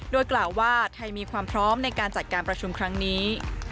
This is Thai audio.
โดยกล่าวว่าไทยมีความพร้อมในการจัดการประชุมครั้งนี้